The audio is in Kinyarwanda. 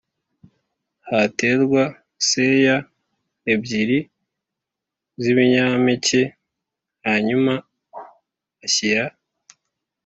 haterwa seya ebyiri z ibinyampeke Hanyuma ashyira